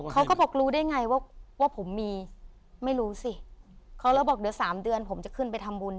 เขาก็บอกรู้ได้ไงว่าว่าผมมีไม่รู้สิเขาเลยบอกเดี๋ยวสามเดือนผมจะขึ้นไปทำบุญ